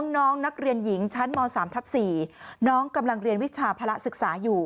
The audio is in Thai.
น้องนักเรียนหญิงชั้นม๓ทับ๔น้องกำลังเรียนวิชาภาระศึกษาอยู่